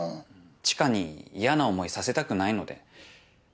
知花に嫌な思いさせたくないので。